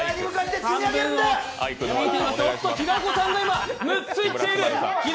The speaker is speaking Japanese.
平子さんが今、６ついっている。